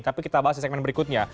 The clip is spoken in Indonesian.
tapi kita bahas di segmen berikutnya